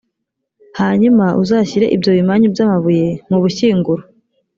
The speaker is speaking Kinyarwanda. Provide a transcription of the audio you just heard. hanyuma uzashyire ibyo bimanyu by’amabuye mu bushyinguro.»